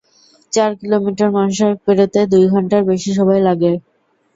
চার কিলোমিটার মহাসড়ক পেরোতে দুই ঘণ্টার বেশি সময় লাগে।